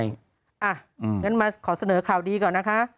อย่างนั้นมาขอเสนอข่าวดีก่อนนะคะ